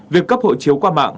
việc cấp hộ chiếu qua mạng